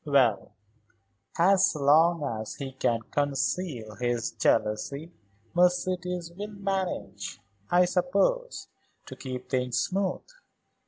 "Well, as long as he can conceal his jealousy, Mercedes will manage, I suppose, to keep things smooth.